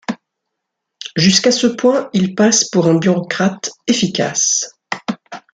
Jusqu'à ce point, il passe pour un bureaucrate efficace.